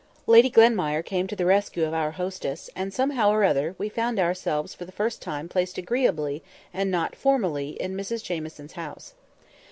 Lady Glenmire came to the rescue of our hostess, and, somehow or other, we found ourselves for the first time placed agreeably, and not formally, in Mrs Jamieson's house.